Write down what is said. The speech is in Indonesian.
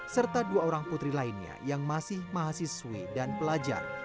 serta dua orang putri lainnya yang masih mahasiswi dan pelajar